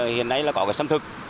hiện nay có xâm thực